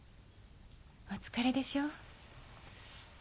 お疲れでしょう。